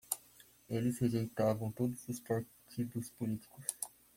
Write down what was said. Eles rejeitavam todos os partidos políticos